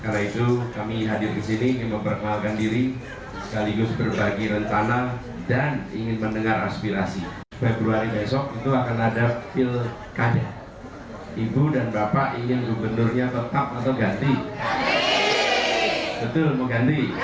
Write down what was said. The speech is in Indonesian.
bukan hanya memikirkan kotanya